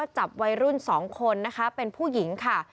จับวัยรุ่น๒คนนะคะเป็นผู้หญิงค่ะ